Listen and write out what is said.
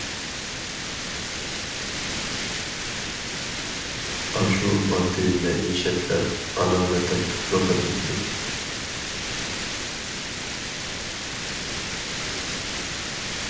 ئاشۇ ماددىي مەئىشەتلەر ئانا ۋەتەن تۇپرىقىدىن كېلىدۇ.